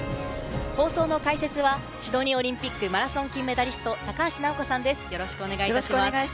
放送の解説は、シドニーオリンピックマラソン金メダリスト、高橋尚子さんです、よろしくお願いいたします。